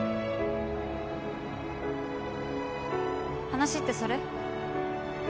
話ってそれ？